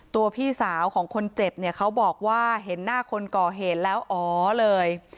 พี่สาวของคนเจ็บเนี่ยเขาบอกว่าเห็นหน้าคนก่อเหตุแล้วอ๋อเลย